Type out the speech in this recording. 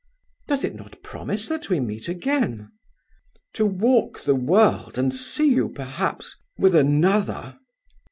"Does it not promise that we meet again?" "To walk the world and see you perhaps with another!"